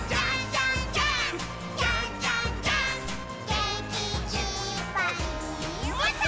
「げんきいっぱいもっと」